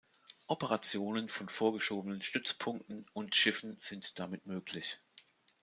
Operationen von vorgeschobenen Stützpunkten und Schiffen sind damit möglich.